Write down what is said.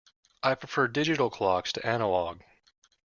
I prefer digital clocks to analog.